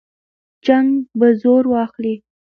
جنګ به زور واخلي.